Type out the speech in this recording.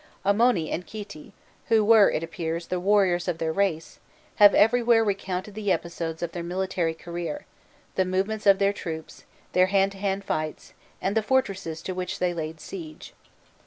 Amoni and Khîti, who were, it appears, the warriors of their race, have everywhere recounted the episodes of their military career, the movements of their troops, their hand to hand fights, and the fortresses to which they laid siege.